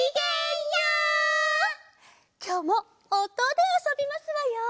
きょうもおとであそびますわよ。